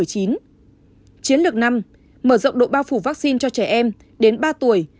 chiến lược năm mở rộng độ bao phủ vaccine cho trẻ em đến ba tuổi